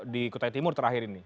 di kutai timur terakhir ini